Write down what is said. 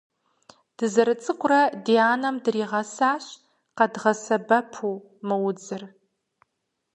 Дызэрыцӏыкӏурэ ди анэм дригъэсащ къэдгъэсэбэпу мы удзыр.